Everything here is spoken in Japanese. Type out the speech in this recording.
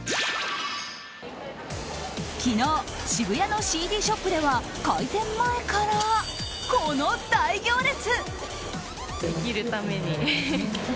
昨日、渋谷のＣＤショップでは開店前から、この大行列！